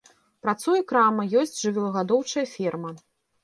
Працуе крама, ёсць жывёлагадоўчая ферма.